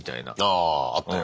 あああったよ